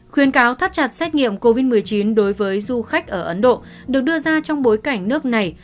khuyên cáo thắt chặt xét nghiệm covid một mươi chín đối với du khách ở ấn độ được đưa ra trong bối cảnh nước này